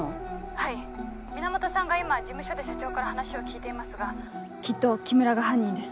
はい源さんが今事務所で社長から話を聞いていますがきっと木村が犯人です。